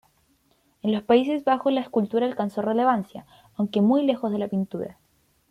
En los Países Bajos la escultura alcanzó relevancia, aunque muy lejos de la pintura.